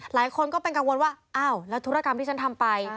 หลายคนก็เป็นกังวลว่าอ้าวแล้วธุรกรรมที่ฉันทำไป